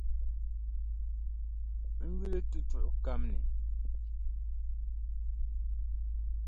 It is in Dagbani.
N yuli tutuɣu kam ni.